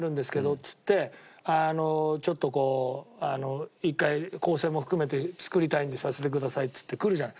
っつってちょっとこう「一回構成も含めて作りたいんでさせてください」っつって来るじゃん。